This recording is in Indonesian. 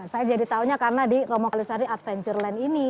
saya jadi tahunya karena di romo kalisari adventureland ini